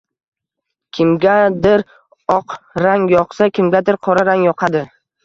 Kimgadir oq rang yoqsa, kimgadir qora rang yoqadi